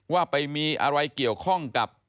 ว่าไปมีอะไรเกี่ยวข้องกับ